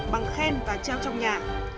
bằng khen và treo trong nhà